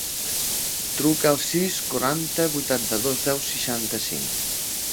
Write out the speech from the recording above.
Truca al sis, quaranta, vuitanta-dos, deu, seixanta-cinc.